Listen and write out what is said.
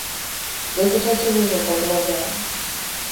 Я сейчас увижу по глазам.